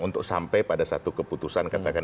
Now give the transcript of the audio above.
untuk sampai pada satu keputusan katakan